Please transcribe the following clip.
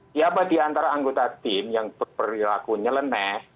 siapa di antara anggota tim yang berperilakunya leneh